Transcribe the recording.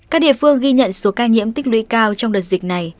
các địa phương ghi nhận số ca nhiễm tích lũy cao trong đợt dịch này